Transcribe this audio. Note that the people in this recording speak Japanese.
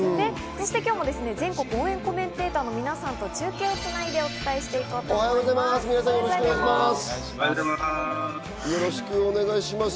今日も全国応援コメンテーターの皆さんと中継をつないでお伝えして行こうと思います。